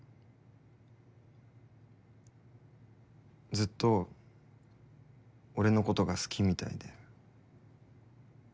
ずっと俺のことが好きみたいで。